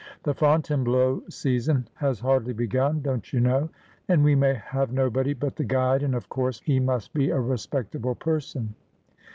The Fontainebleau season has hardly begun, don't you know, and we may have nobody but the guide, and of course he must be a respectable person.'